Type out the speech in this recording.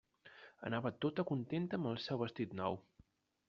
Anava tota contenta amb el seu vestit nou.